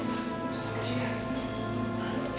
aku panjangin aja